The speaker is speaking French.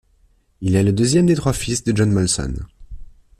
Il est le deuxième des trois fils de John Molson.